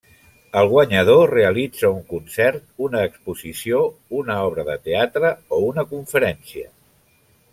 El guanyador realitza un concert, una exposició, una obra de teatre o una conferència.